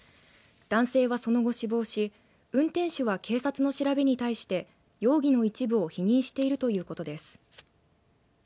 男性はその後、死亡し運転手は警察の調べに対して容疑の一部を否認しているということです。